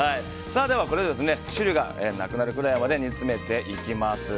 これで汁がなくなるくらいまで煮詰めていきます。